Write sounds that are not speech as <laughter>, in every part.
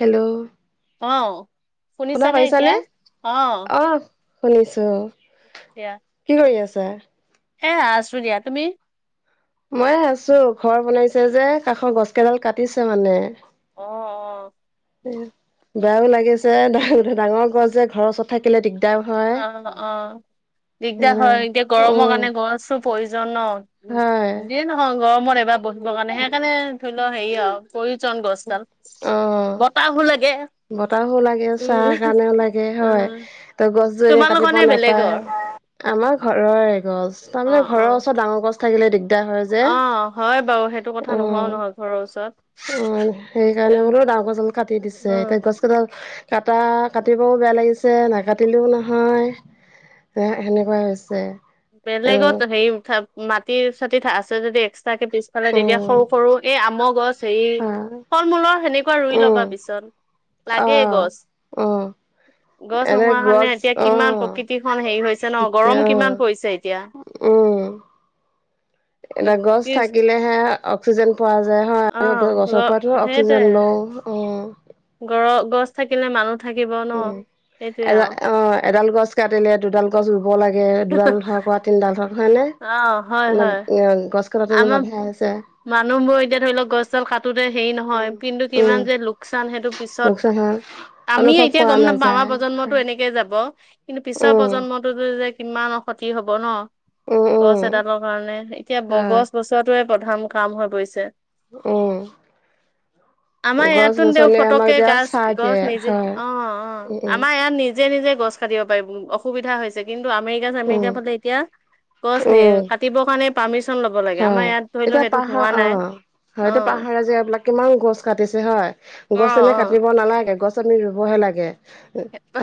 Hello, অ, শুনা শুনিছানে এতিয়া, অ, শুনিছোঁ। এইয়া কি কৰি আছা? এ, আছো দিয়া তুমি? মই য়ে আছো, ঘৰ বনাইছে যে কাষৰ গছ কেইডাল কাটিছে মানে। অ, অ, বেয়াও লাগিছে ডাঙৰ গছ যে ঘৰৰ ওচৰ থাকিলে দিগদাৰও হয়। অ, অ, দিগদাৰ সেইকাৰণে হয়, এতিয়া গৰমৰ উম কাৰণে গছও প্ৰয়োজন ন, হয়। অ', গৰমত এবাৰ বহিবৰ কাৰণে, সেইকাৰণে ধৰি লও হেৰি আৰু প্ৰয়োজন গছডাল। অ, বতাহো লাগে বতাহো লাগে, চা উম কাৰণেও লাগে, উম হয়। ত, গছজো, কে তোমালোকৰ কাটিব নে নাপায় বেলেগৰ আমাৰ ঘৰৰ এ, গছ অ তাৰমানে অ ঘৰৰ ওচৰত ডাঙৰ গছ থাকিলে দিক অ, হয় বাৰু, সেইটো কথা নোহোৱাও অ নহয় ঘৰৰ অ' ওচৰত সেইকাৰণে উম বোলো ডাঙৰ ডাল কাটি দিছে, অ এতিয়া গছ, কেইডাল কাটা, কাটিবও বেয়া লাগিছে নাকাটিলেও নহয় সেনেকুৱা হৈছে। উম বেলেগত হেৰি মাটি-চাটি আছে যদি এক্সাকে পি ফালে তেতিয়া উম সৰু, সৰু এই আমৰ গছ হেৰি হয় ফল-মূলৰ সেনেকুৱা ৰুই উম লবা পিছত। অ, লাগেই গছ উম, গছ নোহোৱা কাৰণে এতিয়া কিমান অ' প্ৰকৃতিখন হেৰি হৈছে ন, তেতিয়া গৰম কিমান অ' পৰিছে এতিয়া উম গছ ত্ৰিশ থাকিলেহে অক্সিজেন পোৱা যায় অ হয় গছৰ পৰাইটো অক্সিজেন সেইটোয়ে লওঁ। অ' গৰ গছ থাকিলে মানুহ থাকিব ন উম, সেইটোয়ে এডাল আৰু অ', এডাল গছ কাটিলে দুডাল গছ ৰুব লাগে দুডাল ধৰা তিনিডাল ধৰা অ হয় ইমান হয় গছ কটাটো আমাৰ বাধাই আছে। মানুহবোৰ এতিয়া ধৰি লওক গছ দাল কাটোতে হেৰি নহয় উম কিন্তু উম কিমান যে লোকচান সেইটো পিছত লোকচান হয় আমিও অনুভৱ এতিয়া কৰা গম নাপাওঁ আমাৰ নাযায় প্ৰজন্মত টো এনেকে যাব কিন্তু পিছৰ উম প্ৰজন্মটোতো যে কিমানৰ ক্ষতি হব ন' উম উম গছ এডালৰ কাৰণে এতিয়া হয় গছ বচোৱাটোয়ে প্ৰধান কাম হৈ পৰিছে। উম। আমাৰ গছ ইয়াতো দেও গছনিয়ে আমাক ফতকে এতিয়া চাই গছ দিয়ে গছ নিজে হয় অ', অ', উম উম আমাৰ ইয়াত নিজে নিজে নিজে গছ কাটিব পাৰি অসুবিধা হৈছে কিন্তু আমেৰিকা উম চমেৰিকা ফালে এতিয়া গছ নি উম কাটিবৰ কাৰণে পাৰ্মিশন ল'ব লাগে হয় আমাৰ ইয়াত ধৰি লও এতিয়া সেইটো পাহাৰ হোৱা অ নাই অ হয় এটো পাহাৰ যিবলাক কিমান গছ কাটিছে হয় অ গছ এনে অ কাটিব ৰুব নালাগে গছ আনি ৰুবহে লাগে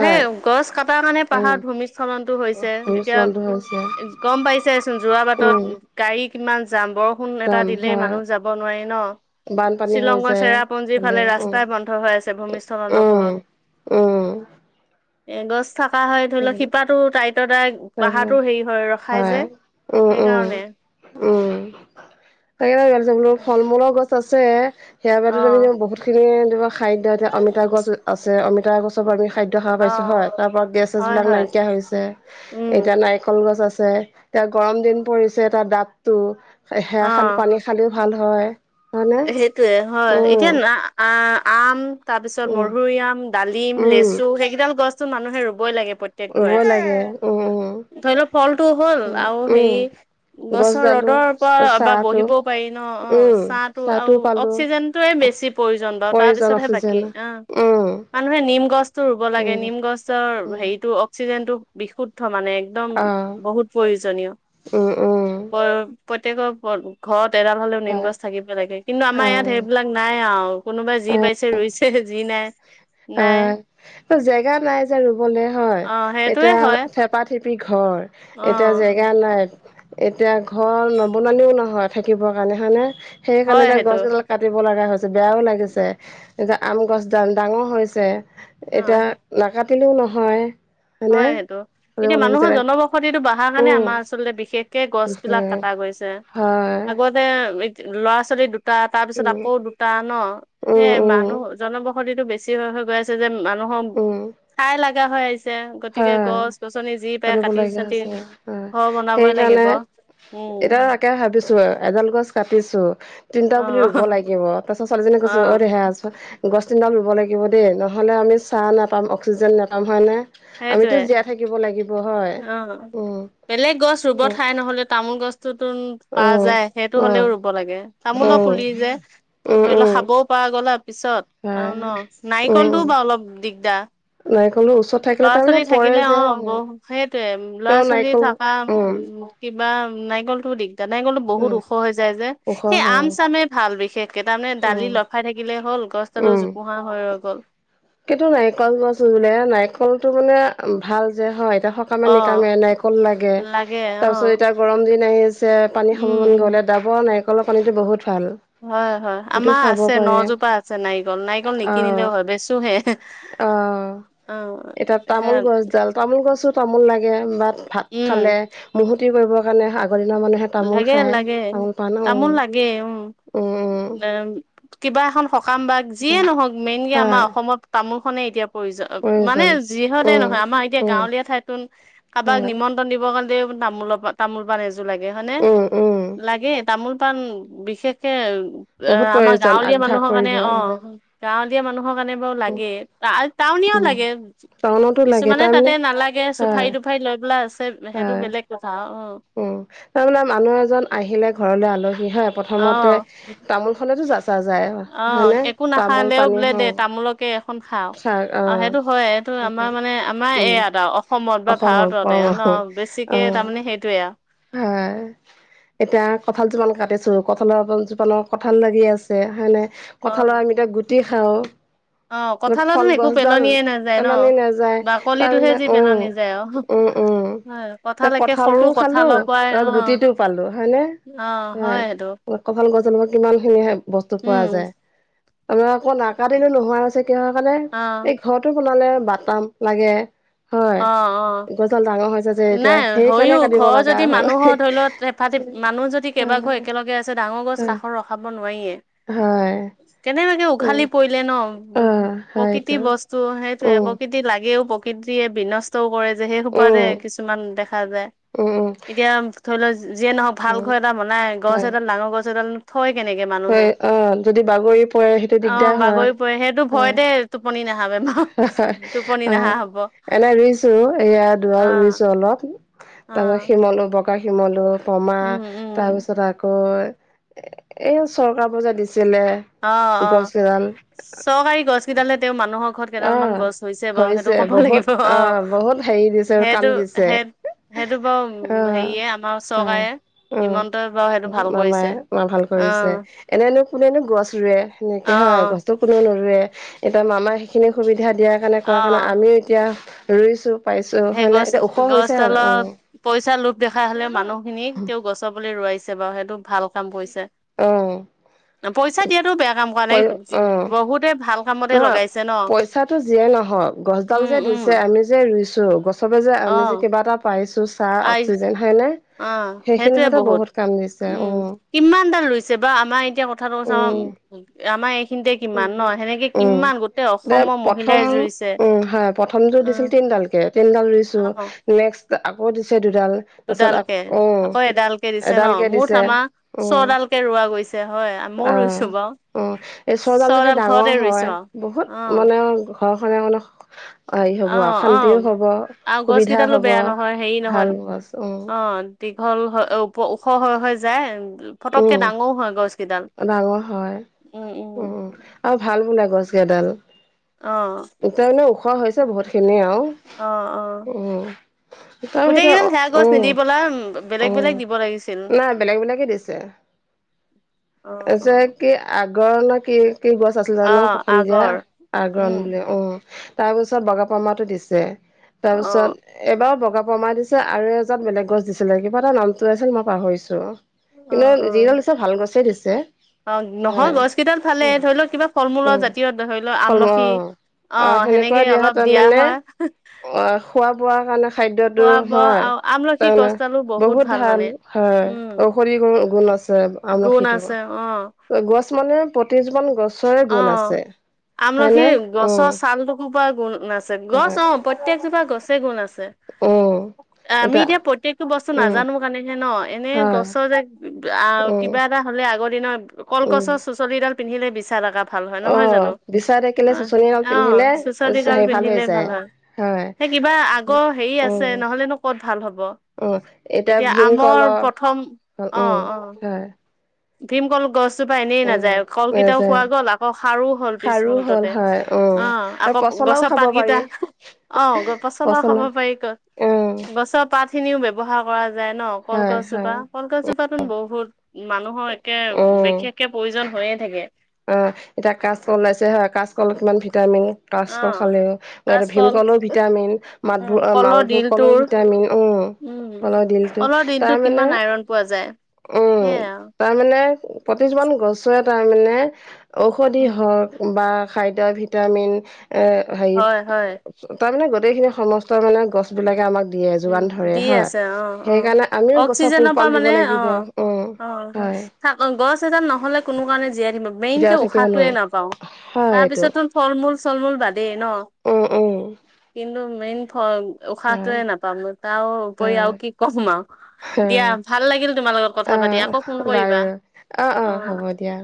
সেই গছ কটাৰ কাৰণে উম পাহাৰ ভূমিস্খলনতটো হৈছে ভূমিস্খলনটো বন্ধ হৈছে এতিয়া গম পাইছেচোন যোৰা উম বাটত গাড়ী কিমান যাম বৰষুণ সোন এটা যাম দিলে হয় মানুহ যাব নোৱাৰি ন বানপানী হৈ শ্বিলঙৰ যায় চেৰাপঞ্জীৰ হ'লেও ফালে উম ৰাস্তাই বন্ধ হৈ আছে ভূমিসখলনৰ উম ফলত উম এ গছ থকা হয় ধৰি লওক শিপাো তটাইতৰ ত পাহাৰো হেৰি হয় ৰখাই যে উম উম সেইকাৰণে উম তাক ভাল বোলো ফল মূলৰ গছ আছে সেয়া বো অ তমি বহুত খিনি ধম খাদ্য এতিয়া অমিতা গছ আছে অমিতা গছ খ অ হয় হয় হয়াক উম ন এ নাৰিকল গছ আছে এতিয়া গৰম দিন পৰিছে তাৰ দাঁতটো অ সেয়া খাল পানী খালেও ভাল হয় হয়নে সেইটোয়ে হয় উম এতিয়া আ আম তাৰ পিছত উম মৰি আম ডালিম উম লেচু সেইকেইাল গছতো মানুহে ৰুবই লাগে প্ৰতেক প্ৰক ৰুব লাগে উম উম কৰে ধৰি লও ফলটো হ'ল আৰু হে উম গছৰ গছডালো ৰ'দৰ পৰা বা চাহটো বহিবও পাৰি ন অ উম ছাট আৰু চাহটো পালো অক্সিজেনতয়ে বেছি প্ৰয়োজন বাৰু প্ৰয়োজন তাৰপিছতহে অক্সিজেন বাকী অ উম মানুহে নিম গছতটো ৰুব লাগে উম নিম গছৰ উম হেৰিতটো অক্সিজেনটো বিশুদ্ধ মানে একদম আহ বহুত প্ৰয়োজনীয় উম উম প্ৰত্য়েকৰ ঘৰত এডাল হলেও নিম হয় গছ থাকিব লাগে কিন্তু আমাৰ ইয়াত হয় সেইবিলাক নাই অ কোনোবাই যি পাইছে ৰৰুইছে যি নাই নাই হয় এই জেগা নাই যে ৰুবলে হয় অ সেইটোৱে এতিয়া হয় থেপাত থিপি ঘৰ অ এতিয়া যে গেয়া নাই এতিয়া ঘৰ নবননিিও নহয় থাকিবৰ কাৰণে হানে সেইকাৰণে হয় এ সেইটো গছ কডাল কাটিব লগা হৈছে বেয়াও লাগিছে এতিয়া আম গছ ডাঙৰ হৈছে এতিয়া অ নাকাটিলেও নহয় হয়নে হয় সেইটো কাটিব এতিয়া মানুহৰ লাগিছিলে জনবসতিটো বঢ়াৰ কাৰণে উম আমাৰ আচলতে বিশেষ কেে গছ বিলাক কটা গৈছে হয় আগত <inaudible> ল'ৰা ছোৱালী দুটা তাৰ পিছত উম আকৌ দুটা ন উম সেয়ে উম মানুহ জনবস। সতিটো বেছি হৈ হৈ গৈ আছে যে মানুহ উম তাই লাগা হৈ আহিছে। <inaudible> গতিকে হয় গছ গছনি যি পাই কাটিব কাটি লগীয়া চাটি হৈছে হয় ঘ বনাবই লাগিব। উম। তে ভাবিছো আৰু এডাল গছ কাটিছো তিনটা অ পুলি ৰুব লাগিব। পাছ ছোৱালীজনীক কৈছো অ দেহা। <inaudible> গছ তিনিডাল ৰুব লাগিব দেই নহ'লে আমি চাহ নাপাম অক্সিজেন নাপাম হয়নে। আমিতো সেইটোৱে জীয়াই থাকিব লাগিব হয় অ উম। বেলেগ গছ ৰুব উম ঠাই নহ'লে তামোল গছতোতো পা উম যায় সেইটো উম হ'লেও ৰুব। ব লাগে তামোলৰ পুলি উম যে উম ধৰি ল উম সাবও পৰা গ'ল হয় পিছত। হয় আও ন নাৰিকলটো বাও অলপ দিগদাৰ। নাৰিকলো ৰুছ। ল'ৰা ছোৱালী থাকিলে অ বহু সেইটোয়ে ল'ৰা তেওঁ ছোৱালী নাৰিকল থকা উম উ। কিবা নাৰিকলটো দিগদা নাৰিকলটো উম বহুত ওখ হৈ যায় যে ওখ সেই হয় আম চামেই ভাল বিশেষ। কে তানে উম দালি লফাই থাকিলে হ'ল গছডালো উম জোপোহা হৈ ৰ গ'ল। কিন্তু নাৰিকল গছ ৰুলে নাৰিকলটো মানে ভাল যে হয়। <inaudible> সামে অ নিকামে নাৰিকল লাগে তাৰ পিছত এতিয়া। গৰম দিন আহিছে পানী উম উম <inaudible> গলে দাবৰ নাৰিকলৰ পানীটো বহুত ভাল। হয় হয় সেইটো আমাৰ খাব আছে পাৰে নজোপা আছে নাৰিকল নাৰিকল নিকিনিলেও অ' হয় বেচোহে। অ অ এতিয়া সে তামোল গছডাল তামোল গছো তামোল লাগে বাট। ভাত খালে উম মূহুতি কৰিবৰ কাৰণে আগৰ দিনৰ মানুহে। তামোল লাগে খায় লাগে তামোল পাণ অ' তামোল লাগে উম উম <inaudible> কিবা এখন সকাম বা যিয়ে উম নহওক মেইনকে আমাৰ হয় অসমত তামোলখনে এতিয়া। প্ৰয়োজ মানে প্ৰয়োজন যিহতে উম নহয় আমাৰ এতিয়া উম গাঁৱলীয়া ঠাইতোন কাবাক হয় নিমন। তন দিব কাৰণেও তামোল পা তামোল পান এযোৰ লাগে হয় নে উম উম লাগে তামোল। পান বিশেষকে এ বহুত আমাৰ প্ৰয়োজন গাঁৱলীয়া আগভাগ মানুহৰ কাৰণে কৰিব অ। গাঁৱলীয়া মানুহৰ কাৰণে বাৰু উম লাগে টা টাউনিয়াও উম লাগে। টাউনতো লাগে কিছুমানে তাৰমানে তাতে নালাগে হয় চুফাৰি তুফাৰি লৈ পেলা আছে সেইটো হয় বেলেগ কথা অ। উম তাৰমানে মানুহ এজন আহিলে ঘৰলে আলহী হয়। অ প্ৰথমতে তামোল খনেতো যাচা যায় অ হয়নে একো তামোল নাখালেও পানী বোলে হ দে তামোলকে। খন খাও চাহ আৰু আহ সেইটো হয় সেইটো সেইটোৱে আমাৰ মানে আমাৰ উম এয়াত আও অসমত বা অসমৰ ভাৰততে পৰম আও ন। অ বেছিকে তাৰমানে সেইটোয়ে আৰু। <unintelligible> এতিয়া কঁঠাল জোপাল কাটিছিলো কঁঠালৰ জোপানৰ কঁঠাল লাগি আছে হয় নে। অ', কঁঠালৰ আমি এতিয়া গুটি খাওঁ। অ কঁঠালতো ফল একো গছডাল পেলনিয়ে নাযায় ন পেলনি নাযায় বাকলিটোহে তাৰমানে যি উম পেলনি যায় অ। উম হয় কথালএকে সৰু ক। হুলো ত গুটিটো পালো হয়নে অ', হয় সেইটো কঠাল গছৰ পৰা কিমান খিনি বস্তু উম, পোৱা যায় তমাৰ আকৌ নাকাদিনো নোহোৱা হৈছে কিহৰ কাৰণে অ', এই ঘৰটো বনালে বাটাম লাগে। হয় অ', অ'। গছডাল ডাঙৰ হৈছে যে এতিয়া নাই সেইকাৰণে। হয়ো কাটিব ঘৰ লগা যদি হ'ল মানুহৰ ধৰি ল হেফা মানুহ যদি কেইবাঘৰ একেলগে আছে ডাঙৰ গছ হয় কাষত ৰখাব নোৱাৰিয়ে। হয়। কেনেবাকে উম উঘালি পৰিলে ন অ প্ৰকৃতি হয়তো বস্তু সেইটোয়ে উম প্ৰকৃত। তি লাগেও প্ৰকৃতিয়ে বিনষ্টও কৰে যে সেই সোপতে উম কিছুমান দেখা যায়। উম উম এতিয়া ধৰি লও যিয়ে নহওক ভাল উম ঘ এটা বনাই গছ হয় এডাল ডাঙৰ গছ এডাল- থয় কেনেকে মানুহে হয় অ যদি বাগৰি পৰে সেইটো অঁ দিগদাৰ হয় বাগৰি পৰে সেইটো হয় ভয়তে- টোপনি নাহাবেমা হয় টোপনি অ নাহা হ'ব। এনে ৰুইছো এয়া দুৰত ৰুইছো অলপ অ তাপা শিমলু বকা শিমলু- পমা উম উম তাৰপিছত আকৌ এই চৰকাৰ ব যে দিছিলে- অঁ গছ অঁ কেইডাল চৰকাৰী গছ কেইডালে তেওঁ মানুহক- খত অ কেইডাল মান গছ হৈছে বাও সেইটো ক'ব বহুত লাগিব অ অঁ বহুত হেৰি দিছে কাম সেটো দিছে সে- সেইটো বাৰু অ হেৰিয়ে আমাৰ হয় চকায়ে- উম মামাই মা ভাল অ কৰিছে। এনেইনো কোনেনো গছ ৰুৱে সেনেকে অ হয় গছতো কোনোও নৰুৱে এতিয়া মামাই- খিনি সুবিধা দিয়াৰ কাণে অ কোৱাৰ কাৰণে আমিও এতিয়া ৰুইছোঁ। পাইছো সেই হয় নে গছ এতিয়া ওখ হৈছে আৰু গছডালৰ অঁ। পইচা লোভ দেখা হলো মানুহখিনিক তেওঁ গছৰ পুলি ৰোৱাইছে বাৰু সেইটো ভাল কাম কৰিছে। অ পইচা দিয়াতটো বেয়া কাম কৰা নাই বহুতে ভাল- কামতে নহ লগাইছে ন পইচাটো জিয়ে নহওক গছডাল উম যে উম দিছে আমি যে ৰুইছো গছ- চবে যে অ আমি যে কিবা এটা পাৰিছোঁছ- চাহ পাই অক্সিজেন হয় নে অ সেইখিনি হতে বহুত কাম দিছে উম উঁ। কিমান দাল লৈছে বা আমাৰ এতিয়া কথাটো উম চাওঁ- আমা এইখিনিতে কিমান উম ন সেনেকে উম কিমান গোটেই অসমৰ মহিলাই জুৰিছে। প্ৰথমটো দিছিল তিনডাল কে তিনডাল ৰুইছো অ নেক্সট আকৌ দিছে দুডাল। দুডাল কে আকৌ এডাল কে দিছে ন এডালকে মুঠ দিছে আমাৰ উম ছডাল কে ৰোৱা গৈছে। চে হয় মো ৰুইছো বাও। অঁ এই চডাল যদি ডাঙৰ হয় আৰু বহুত অ মানে ঘৰখনে মানে- হ'ব অ আৰু শান্তিও অ হব আৰু গছ সুবিধা কেইডালো হব বেয়া নহয় হেৰি ভাল নহয় গছ অঁ- অ দীঘল হৈ ও ওখ হৈ হৈ যায়। ফটককে উম ডাঙও হয় গছ কেইডাল উম উম'। অ ভাল সুন্দা গছ গেডাল। অঁ। সেইকাৰণে ওখোৱা হৈছে বহুত খিনিয় আও। অঁ অঁ তাৰ গোটেই সেইটো কেইডাল সেয়া গছ নিদি উম পেলা- বেলেগ উম বেলেগ দিব লাগিছিল। নাই বেলেগ বেলেগে দিছে। অ আ অ যে কি আগৰ নে কি। কেই গছ আছিল অ জানো প্ৰথম দিয়া আগৰ আগৰন উম বুলি অঁ। তাৰপিছত বগাপামাতো দিছে অ তাৰপিছত, এবাৰো বগা পমা দিছে আৰু এজাত বেলেগ গছ দিছিলে কিবা এটা নামটো আছিল মই পাহৰিছো। কিন্তু যিডাল দিছে ভাল গছে দিছে। অঁ নহয় হয় গছ কেইডাল ভালে উম ধৰি লওক কিবা ফল মূলৰ উম জাতীয় ধৰি লওক ফল অ আমলখি- অ অঁ সেনেকুৱা সেনেকেই হয় অলপ দিয়া তাৰমানে হয়। অ খোৱা বোৱা কাণে- খাদ্যটো খোৱা বোৱা হয় আৰু আমলখি তাৰমানে গছডালো বহুত ভাল মানে হয় উম ঔষধি গু গুণ আছে। গুণ আমলখিটো আছে অঁ। গছ মানে প্ৰতিযোপন গছ। অঁ আমলখি উম গছৰ ছাল টো কোপা গুণ আছে গছ অঁ। প্ৰত্যেকজোপা গছে গুণ আছে। অৱ। আমি এতিয়া প্ৰত্যেকটো বস্তু নাজানো কাৰণেহে ন এনে হয় গছৰ যে উম কিবা এটা হ'লে আগৰ দিনৰ উম কলগছৰ চুচলিডাল পিন্ধিলে বিচা লগা ভাল হয় অ নহয় জানো, বিচাৰ থাকিলে অ চুচনি এডাল পিন্ধিলে অৱ চুচলি ডাল হেৰি হৈ পিন্ধিলে যায় ভাল হয়। হয় সেহ কিবা আগৰ হেৰি আছে উম নহলেনো ক'ত ভাল হ'ব। উম এতিয়া আমৰ প্ৰথম ভীমকলৰ অ উম অ হয়। ভীমকল গছ গছজোপা এনেই উম নাযায় কলকিটাও যায় খুৱোৱা গ'ল আকৌ সাৰো হ'ল পিছ খাৰো হ'ল মুহূুৰ্ততে, হয় উম অৱ। আৰু আকৌ পচলাও গছৰ খাব পাতকেইটা পাৰি অ পচলাও খাৱ পচলা পাৰি, উম গছ পাত খিনিও ব্যৱহাৰ কৰা যায় ন হয় হয় কলগছজোপা, কলগছজোপাত ন বহুত মানুহৰ বিশেষকে প্ৰয়োজন হৈয়ে থাকে। অৱ এতিয়া কাচকল ওাইছে হয়, কাচকলত কিমান ভিটামিন। অ কাচকল খালেও, কাচকল ভীমকলো ভিটামিন। উম মাতবোৰ কলৰ মালভোৰ কলো দিলটোৰ ভিটামিন উম, কলৰ দিলটো কলৰ দিলটোত তাৰ কিমান মানে আইৰন পোৱা যায় সেয়া আৰু। তাৰমানে প্ৰতিযোৰমান গছৰে তাৰমানে ঔষধি উম হওক বা খাদ্যৰ ভিটামিন এ হাৰি হয় হয় তাৰ মানে গোটেইখিনি সমস্ত মানে গছ গছ বিলাকে আমাক দিয়ে উম যোগান ধৰে দি হা, আছে অ অ সেইকাৰণে আমিও গছৰ পোহপাল দিব লাগিব। উম অৱ হয় হে গছ এডাল নহলে কোনো কাৰণে জীয়াই থাকিব মেইন কে জীয়াই থাকিব উশাহটোৱে নোৱাৰি। নাপাও হয় তাৰ এইটো পিছতো ফল মূল চল মূল বাদেই ন, উম উম কিন্তু মেইন ফ হয় উশাহটোৱে নাই। পাম তাৰ উপৰি আৰু হয় কি কম আৰু দিয়া অ ভাল লাগিল তোমাল লগত। অ কথা পাতি আকৌ ফোন কৰিবা, বাৰু অ অ হ'ব অৱ। দিয়া।